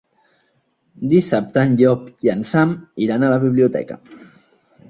Dissabte en Llop i en Sam iran a la biblioteca.